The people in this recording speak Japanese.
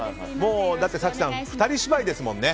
だって、早紀さん２人芝居ですものね。